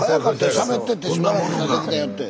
しゃべっててしばらくして出てきたよって。